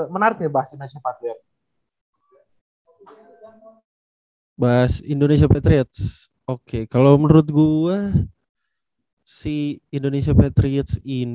menarik ya bahas nasionalitas